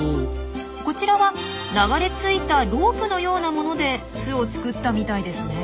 こちらは流れ着いたロープのようなもので巣を作ったみたいですね。